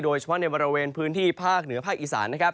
โดยเฉพาะในบริเวณพื้นที่ภาคเหนือภาคอีสานนะครับ